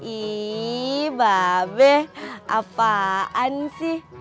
ii mbak be apaan sih